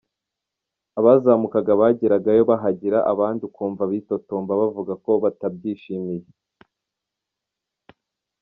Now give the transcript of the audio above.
Abazamukaga bageragayo bahagira abandi ukumva bitotomba bavuga ko batabyishimiye.